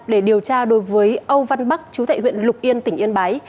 để điều tra đối với âu văn bắc chú tại huyện lục yên tỉnh yên bái